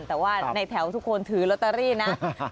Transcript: แต่ว่าในแถวทุกคนถือลอตเตอรี่นะ